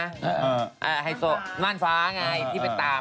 อือออออไฮโซมั่นฟ้าไงที่เป็นตาม